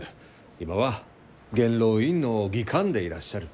今は元老院の議官でいらっしゃる。